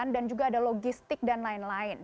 dan juga ada logistik dan lain lain